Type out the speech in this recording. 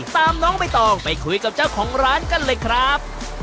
น้องใบตองไปคุยกับเจ้าของร้านกันเลยครับ